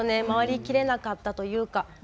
回りきれなかったというか。